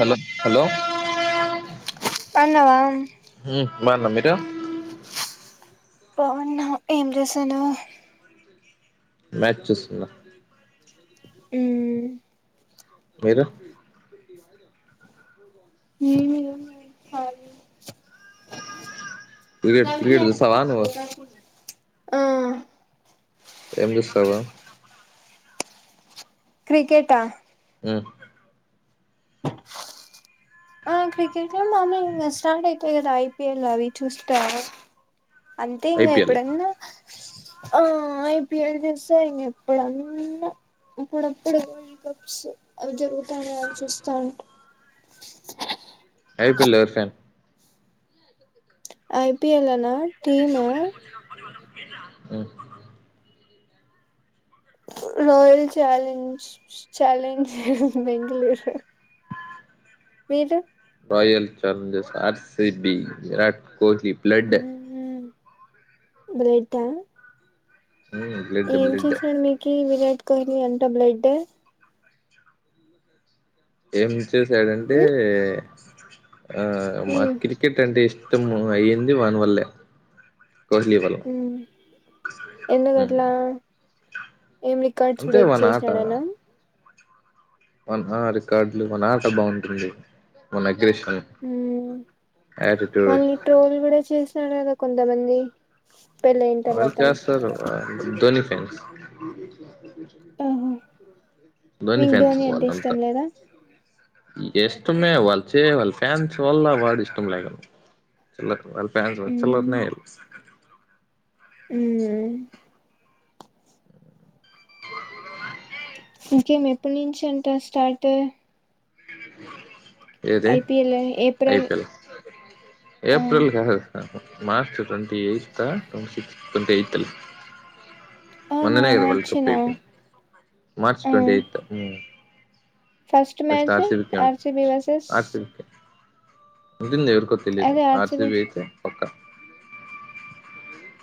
Hello hello పన్నావా బాన్నా మీరు బాగున్నా ఏం చేస్థానవ్ మ్యాచ్ చూస్తున్న మ్మ్మ్ మీరు నిను ఎం లేదు కాళీ క్రికెట్ క్రికెట్ చూస్తావా నువ్వు ఆ ఎం చుస్తవు క్రికెటా మ్ ఆ క్రికెట్ మామ స్టార్ అయితేాయి కదా ఐపిిఎల్ అవి చూస్త అంతే ఇంగ ఐపిఎల్ ఎప్పుడన్నా ఆ ఐపిల్ చూస్తా ఇంగ ఎప్పుడన్న ఇప్పుడప్పుడు వల్డ్ కప్స్ అవి జరుగుతాయ అవి చుస్తా ఉంటా ఐపిల్ లో ఎవరి ఫ్యాన్ ఐపీిఎల్ల నా టీమ్ ఆ మ్ రోహిల్ చాలెంజ్ చాలెంజ్ బెంగళూరు మీరు వైయల్ చాలేంజ్ జేస్త ఆర్సిబి విరాట్ కోహ్లీ బ్లేడ్ బ్లేడ్డా బ్లడ్ ఏం బ్లడ్ చేసారు మీకి విరాట్ కోహ్లీ ఎంత బ్లేడ్డు ఏం చేసాడంటే ఉమ్ ఆ మా ఉమ్ క్రికెట్ అంటే ఇష్టం అయ్యింది వానివల్లే కోహ్లీ వాళ్ళు ఉమ్ ఎందుకట్లా ఏం రికార్డ్స్ బ్రేక్ చేసినాడనా అవున్ ఆ రికార్డులు మన ఆట బాగుంటుంది మనయ్ ఉమ్ యాటిట్యూడ్ మళ్ళి ట్రోల్ గూడా చేసారు కదా కొంతమంది పెళ్ళయిన ఆళ్ళు తర్వాత చేస్తారు ధోని ఫ్యాన్స్ ఆహా ధోని మీకు ఫ్యాన్స్ అంటే వాల్లంతా ఇష్టం లేదా ఇష్టమే వాళ్ చేే వాళ్ళ ఫ్యాన్స్ వల్ల వాడి ఇష్టం లే ఇగ చల్ వాళ్ళ ఫ్యాన్ ఉమ్ వచ్చెలోపనే ఉమ్ ఇంకేం ఎప్పుడు నుంచి అంట స్టార్ట్ ఏది ఐపిఎల్ ఏప్రిల్ ఐపీల్ ఆ ఏప్రిల్ గాదు మార్చ్ ట్వంటి ఎయిత్ ఆ ట్వంటి ఎయిత్ లే అవునా మొన్ననే గదా వరల్డ్ కప్ మార్చేనా అయిపోంది మార్చ్ ఆ twenty eighth first match RCB కేంత ఆర్సిబి వర్సెస్ ఆర్సిబికే ఉంటుంది ఎవరికో తెలీదు ఆర్సిబి అయితే పక్కా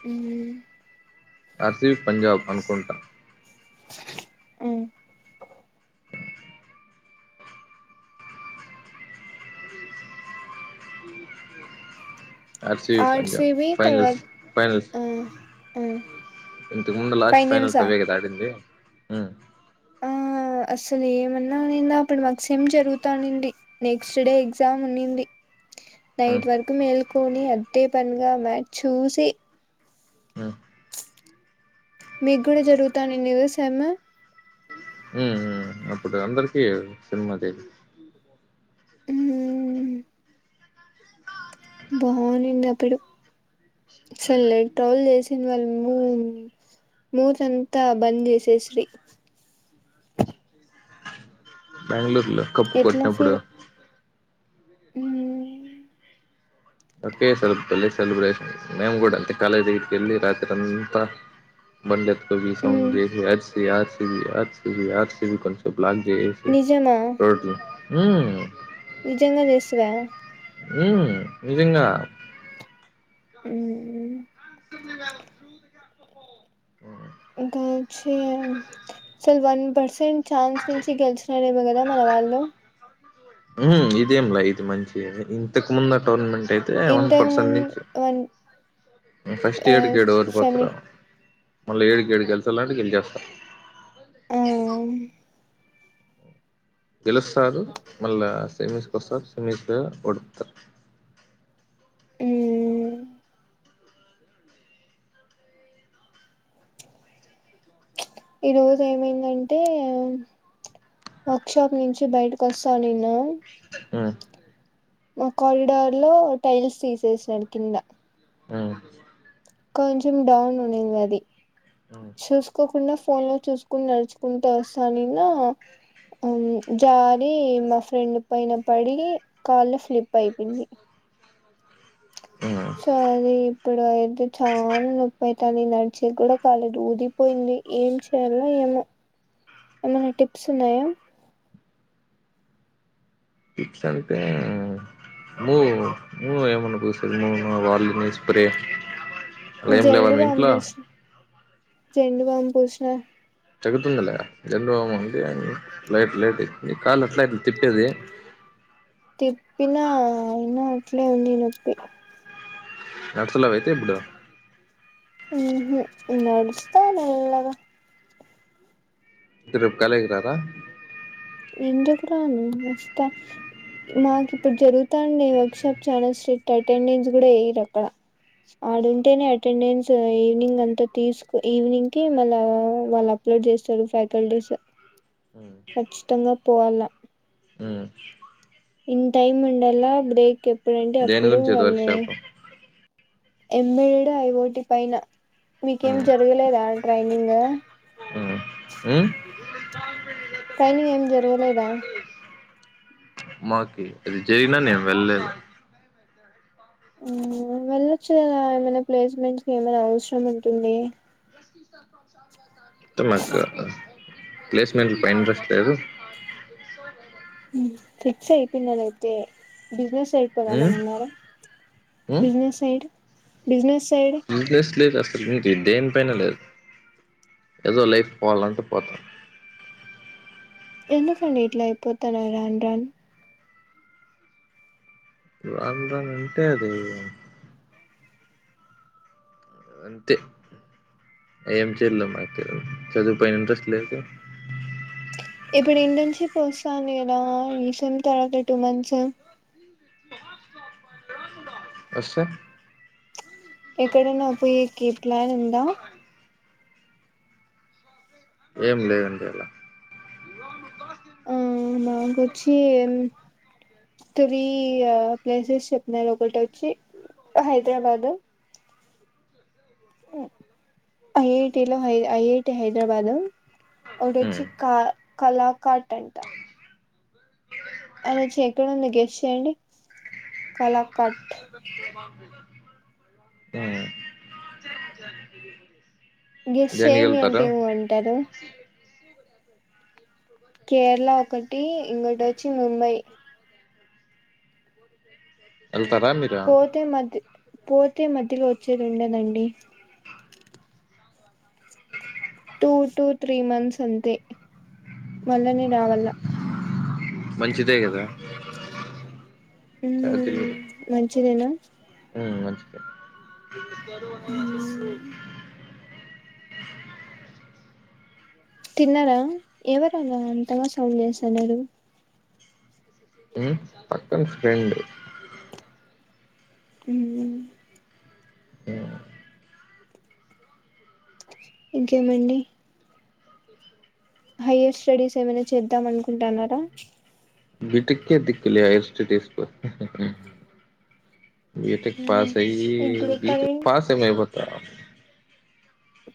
ఉమ్ ఆర్సిబీ పంజాబ్ అనుకుంటా అ ఆర్సిబి పంజాబ్ ఆర్సిబి ఫైనల్స్ తర్వాత ఫైనల్స్ ఆ ఆ ఇంత ముందు లాస్ట్ ఫైనల్స్ ఫైనల్సా అవే గదా ఆడింది ఉమ్ ఆ అసలు ఏమన్నా అయిందా అప్పుడు మాకు సేమ్ జరుగుతా ఉండింది నెక్స్ట్ డే ఎగ్జ్సామ్ ఉన్నింది ఉమ్ నైట్ వరకు మేల్కొని అద్దే పనిగా మ్యాచ్ చూసి ఉమ్ మీకు గూడా జరుగుతానింది గదా సేమ్ ఉమ్ అప్పుడు అందరికిీ సేమ్ అది ఉమ్ బాగుంది అప్పుడు అసలు ట్రోల్ జేసి వాళ్ళు మూ మూడ్సంతా బంద్ జేసేస్రీ బెంగళూరులో కప్పు కొట్టినప్పుడు ఉమ్ ఓకే సెల్ సెలిబ్రేషన్ మేమ్ గూడా అంతే కాలేజ్ దగ్గరికి కెళ్ళి రాత్రి అంతా బండితో రీసౌండ్ మ్మ్ జేసి ఆర్సి ఆర్సిబి ఆర్సిబి ఆర్సిబి కొంసేపు బ్లాక్ జేసి నిజమా రోడ్లు ఉమ్ నిజంగా జేస్తివా ఉమ్ నిజంగా ఉమ్ జ [inaudible] ఇంక వచ్చేయాలి అసలు వన్ పర్సెంట్ ఛాన్స్ నుంచి గెలిచినరేమో గదా మన వాళ్ళు ఉమ్ ఇదేం లైట్ మంచిగ ఇంతకు ముందు టోర్నమెంట్ టైతే వన్ ఇంతకు పర్సెంట్ ముందు నించి వన్ ఫస్ట్ ఆ ఏడు కే ఏడు సెమి ఒడిపోతారు మళ్ళా ఏడు కేడు గెలిసాలంటిే గెలిచేస్తార. ఆహ్ గెలుస్తారు మళ్ళా సేమీస్కొస్తారు సేమీస్గా ఓడిపోతారు. [unintelligible] మ్మ్ ఈ రోజు ఏమైందంటే వర్క్ షాప్ నుంచి బయటకు వస్తా, నేను ఉ మా కారిడార్ లో టైల్స్ తీసేసినారు కింద ఉహు కొంచెం డౌన్ ఉండింది అది ఉమ్ చూసుకోకుండా ఫోన్ లో చూసుకుని నడుచుకుంటే వస్తానిన్నా ఉ జాబ్ మా ఫ్రెండ్ మొత్తం కట్టాలి, కాళ్ళ స్లిప్, పడుకుంది. ఉమ్ సరి ఇప్పుడు అయితే చాలా నొప్పైతానింది నడిచి కూడా కళు దుదిపోయింది, ఏం చేయలో ఎం ఏమైనా టిప్స్ ఉన్నాయా టిప్స్ అయిపోయాయే, అది నేను ఎందుకు పోస్తాను వాళ్ళ మీద స్ప్రే ఏం లేవా మీ ఇంట్లో జెన్డ్ గా అనిపిచ్చినాయి. చెడుతాయి కదా దగ్గర గా ఉండి అన్ని లైట్ లైట్ కాలు అట్లే తిప్పేది. తిప్పినా అయినా అట్లే ఉంది నొప్పి, నడుచుకుంటూ పోతావా ఇప్పుడు ఉహు నడుస్తా మెల్లగా అయితే రేపు కాలేజీ కి రా రా ఎందుకు రాను వస్తా, మాకు ఇప్పుడు జరుగుతాంది, ఎక్సెట్రా, అస్ట్రెట్ అటెండెన్స్ కూడా వేయాదట, ఆడుంటేనే అటెండెన్స్ ఈవినింగ్ అంతా తీసుకు ఈవినింగ్ కి మళ్ళ వాళ్ళ అప్లోడ్ చేస్తాది ఫైవ్టెన్ డేస్ లో ఉ పోవాల ఉ ఇన్ టైం ఉండలా బ్రేక్ ఎప్పుడంటే దేని అప్పుడు గురించి అది వర్క్ వాళ్ళు షాప్ ఎమ్మెల్యేడు ఐ ఓటి పైన మీకేం జరగలేదా ట్రైనింగ్, ఉ ఊ ట్రైనింగ్ ఏం జరగలేదా, మాకు అది జరిగినా నేను వెళ్ళలేదు, వెళ్ళొచ్చు కదా ఏమైనా ప్లేస్మెంట్స్ కి ఏమైనా అవసరం ఉంటుంది. [unintelligible] ప్లేస్మెంట్ల టైం వెస్ట్ కాదు ఫిక్స్ అయి పోయినావు అయితే బిజినెస్ ఉమ్ వెళ్లిపోవాలని ఉన్నారా, ఉమ్ బిజినెస్ చేయండి బిజినెస్ సైడ్ బిజినెస్ లేదు అసలు ఏ దేనిపైన లేదు, ఏదో లైఫ్ పోవాలంటే పోతా, ఎందుకండి ఇట్లా అయిపోతాండ్రు రాన్ రాన్ వద్దని ఉంటే అయితది అంతే ఏంచేద్దాం మధ్య లో చదువు పైన ఇంట్రెస్ట్ లేదు, ఇప్పుడు ఇంటీ నుంచి ఫుల్ సాంగ్ వేయన ఈసమ్ తర్వాత టూ మంత్స్, ఎస్ ఎక్కడనా పోయేకి ప్లాన్ ఉందా ఏం లేదండి ఇంకా మా కచ్చ త్రీ ప్లేసెస్ చెప్పిన ఒకటి వచ్చి హైదరాబాద్ ఐఐటిలో ఐఐటి హైదరాబాద్ లో ఒడచ ఉమ్ కా కలాక టంట [inaudible] అలా వచ్చ ఎక్కడ ఉంది గాస్ చేయండి కలా కట్ ఆ [inaudible] గెస్ చేయండి అంటే ఏమో అంటారు. కేరళ ఒకటి ఇంకోటి వచ్చి ముంబై ఎళ్తరా మీరు పోతే మధ్య పోతే మధ్యలో వచ్చేది ఉండదండి టూ టు త్రీ మంత్స్ అంతే మళ్ళనే రావాల మంచిదే కదా తినేనా హూ మంచిది మ్మ్ [inaudible] తిన్నారా ఎవరయ్యా అంతగా సౌండ్ చేస్తున్నారు హు పక్కన ఫ్రెండ్ హూ [inaudible] ఇంకేమండి హైయ్యర్ స్టడీస్ ఏమైనా చేద్దాం అనుకుంటున్నారా బీటెక్ కె దిక్కులే హయ్యర్ స్టడీస్ పో బీటెక్ మ్మ్ పాస్ అయ్యి ఇప్పుడు బీటెక్ కరెంట్ పాసైన అయిపోతా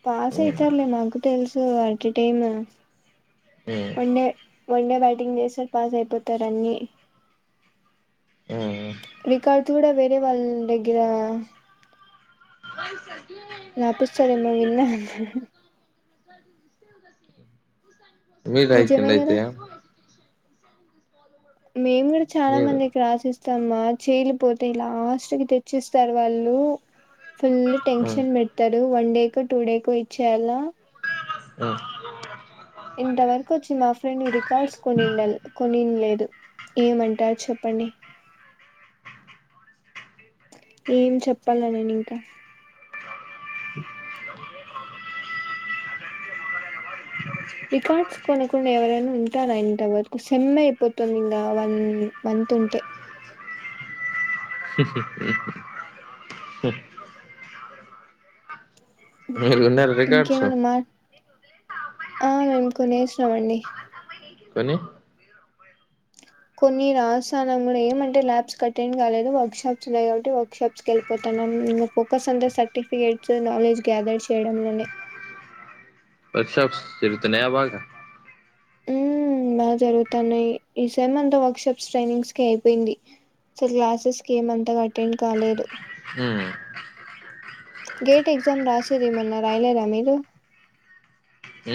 పాస్ అయితరులే మాకు తెలుసు ఎట్ ఎ టైమ్ హామ్ వన్డే బ్యాటింగ్ చేస్తే పాస్ అయిపోతారు అన్ని రికార్డ్స్ కూడా వేరే వాళ్ళ దగ్గర [inaudible] రాపిస్తారేమో విన్నా మీరు రాయకండి నిజమే అయితే కదా మేం కూడా చాలా మీరు మందికి రాసిస్తా మా చెయ్యులు పోతాయి ఇల లాస్ట్ కి తెచ్చిస్తారు వాళ్ళు ఫుల్ ఉమ్, టెన్షన్ పెడతారు వన్డే కో టుడే కో ఇచ్చేలా ఆ ఇంత వరకు వచ్చి మా ఫ్రెండ్ రికార్డ్స్ కొనిండ కొనిన్ లేదు ఏమంటార చెప్పండి ఏం చెప్పాల నేనింకా [inaudible] రికార్డ్స్ కొనకుండా ఎవరైనా ఉంటారా ఇంతవరకు సేమ్ అయిపోతుంది ఇంకా వన్ మంత్ ఉంటే [inaudible] మీరు ఉన్నారు రికార్డ్స్ ఇంకేమనామ్మా మాట్ ఆ మేం కొనేశామండి కొని కొన్ని రాసానండి ఏమంటే ల్యాబ్స్ కి అటెండ్ కాలేదు వర్క్ షాప్స్ ఉన్నాయి కాబట్టి వర్క్ షాప్స్ కి వెళ్ళిపోత హామ్ నా ఫోకస్ అంతా సర్ఫికట్స్ నాలెడ్జ్ గ్యాదర్ చేయడంలోనే వర్క్ షాప్స్ జరుగుతున్నాయా బాగా ఉ బాగా జరుగుతాన్నయ్ ఈ సేమ్ అంతా వర్క్ షాప్స్ ట్రైనింగ్ కే అయిపోయింది అసలు క్లాసెస్ కి ఏమంతగా అటెండ్ కాలేదు గేట్ ఎగ్జామ్ రాసేది మొన్న రాయలేరా మీరు మ్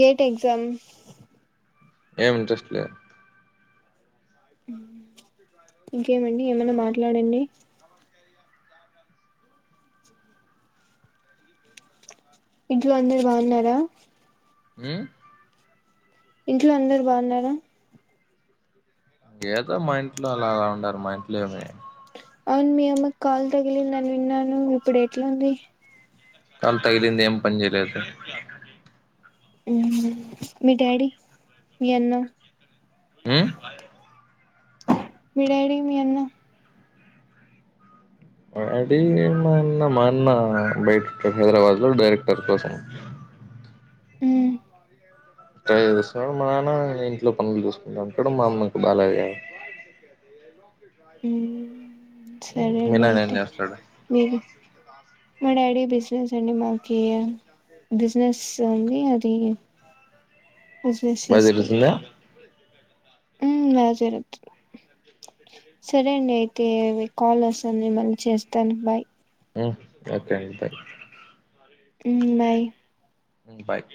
గేట్ ఎగ్జామ్ ఏం ఇంట్రెస్ట్ లే ఇంకేమండి ఏమన్న మాట్లాడండి ఇంట్లో అందరూ బావున్నారా? మ్ ఇంట్లో అందరూ బావున్నారా ఏదో మా ఇంట్లో అలా అలా ఉన్నారు మా ఇంట్లో ఏమి అవున్ మీ అమ్మక్ కాల్ తగిలిందని విన్నాను ఇప్పుడు ఎట్లుంది. కాల్ తగిలింది ఏం పన్ చేయలేదు మ్ హ్ మీ డాడీ మీ అన్నా మ్ మీ డాడీ మీ అన్నా మా డాడీ మా అన్నా బయటిక్ హైదరాబాద్లో డైరెక్టర్ కోసం మ్ ట్రై చేస్తున్నడ్ మా అన్న ఇంట్లో పనుల్ చూస్కుంటా ఉంటడు. మా అమ్మకు బాగా [inaudible] ఉమ్ సరే మీ అండి నాన్న ఏం అయితే చేస్తాడు మీరు మా డాడీ బిజినెస్ అండి మాకి బిజినస్ ఉంది అది బిజినెస్ బాగా చేస్కుంటే తెలుస్తుందా మ్ బా జరుగుతుంద్ సరే అండి అయితే కాల్ వస్తంది మళ్ళీ చేస్తాను బాయ్ మ్ కరెక్టే అంతే మ్ బాయ్ బాయ్